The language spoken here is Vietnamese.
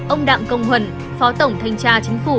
ông đạng công huẩn phó tổng thanh tra chính phủ